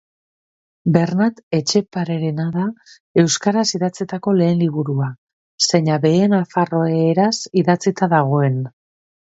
Bernat Etxeparerena da euskaraz idatzitako lehen liburua, zeina behe nafarreraz idatzita dagoen.